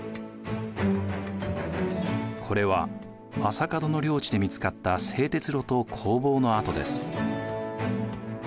これは将門の領地で見つかった製鉄炉と工房の跡です。